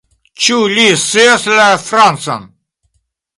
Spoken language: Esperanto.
Ĉu li scias la Francan?